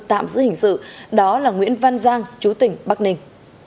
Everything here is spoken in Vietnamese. tạm giữ hình sự đó là nguyễn văn giang chú tỉnh bắc ninh